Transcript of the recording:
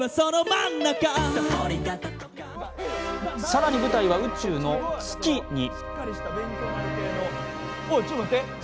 更に、舞台は宇宙の月に。